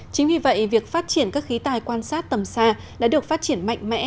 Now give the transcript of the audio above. chính vì vậy việc phát triển các khí tài quan sát tầm xa đã được phát triển mạnh mẽ